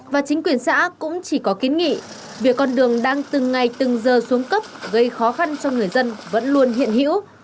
việc con đường đang từng ngày từng giờ xuống cấp gây khó khăn cho người dân vẫn luôn hiện hữu